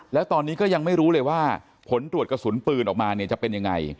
แล้วตอนนี้ก็ยังไม่รู้เลยว่าผลตรวจกระสุนปืนออกมาเนี่ยจะเป็นยังไง